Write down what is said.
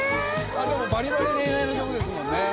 でもバリバリ恋愛の曲ですもんね。